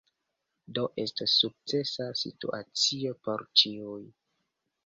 Do estos sukcesa situacio por ĉiuj.